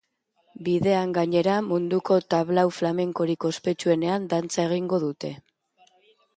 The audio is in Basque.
Bidean, gainera, munduko tablau flamenkorik ospetsuenean dantza egingo dute.